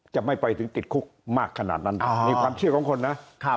จะไม่ไปถึงติดคุกมากขนาดนั้นนี่ความเชื่อของคนนะ